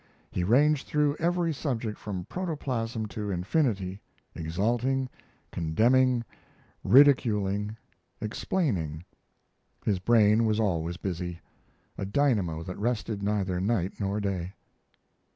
He ranged through every subject from protoplasm to infinity, exalting, condemning, ridiculing, explaining; his brain was always busy a dynamo that rested neither night nor day.